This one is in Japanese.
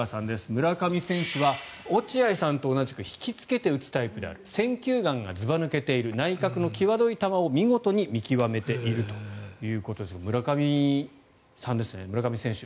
村上選手は落合さんと同じく引きつけて打つタイプである選球眼がずば抜けている内角の際どい球を見事に見極めているということですが村上選手